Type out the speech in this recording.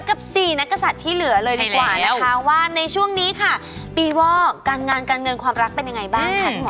กับ๔นักศัตริย์ที่เหลือเลยดีกว่านะคะว่าในช่วงนี้ค่ะปีวอกการงานการเงินความรักเป็นยังไงบ้างค่ะคุณหมอ